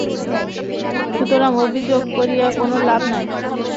সুতরাং অভিযোগ করিয়া কোন লাভ নাই।